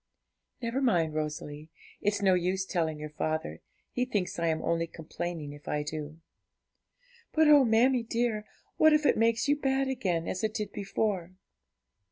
'Never mind, Rosalie; it's no use telling your father, he thinks I am only complaining if I do.' 'But oh, mammie dear, what if it makes you bad again, as it did before?'